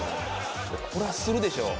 これはするでしょう。